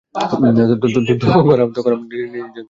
তখন আমরা একটি নির্জন স্থানে গেলাম।